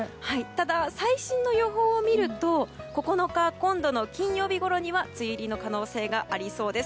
ただ、最新の予報を見ると９日、今度の金曜日ごろには梅雨入りの可能性がありそうです。